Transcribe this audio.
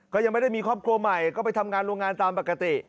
ก็ยังไม่ได้มีครอบครัวใหม่ก็ไปทำงานโรงงานตามปกติ